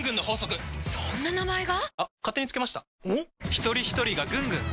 ひとりひとりがぐんぐん！